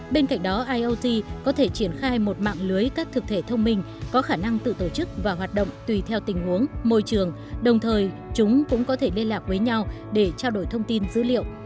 bên cạnh đó iot có thể triển khai một mạng lưới các thực thể thông minh có khả năng tự tổ chức và hoạt động tùy theo tình huống môi trường đồng thời chúng cũng có thể liên lạc với nhau để trao đổi thông tin dữ liệu